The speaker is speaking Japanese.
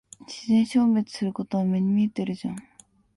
自然消滅することは目に見えてるじゃん。